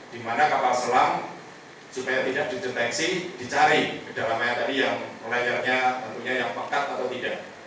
di mana kapal selam supaya tidak dideteksi dicari ke dalam air tadi yang layarnya tentunya yang pekat atau tidak